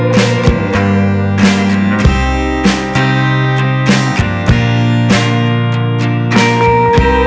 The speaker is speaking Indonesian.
terima kasih banyak om tante